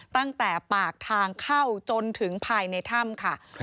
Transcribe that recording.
ตั้งแต่ปากทางเข้าจนถึงภายในถ้ำค่ะ